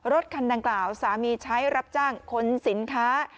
รถคันดังกล่าวสามีใช้รับจ้างขนสินค้า